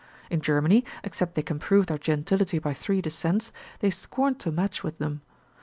In Germany, except they can prove their gentility by three descents, they scorn to match with them.